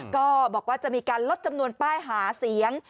ก็บอกว่าจะมีการลดจำนวนป้ายหาเสียง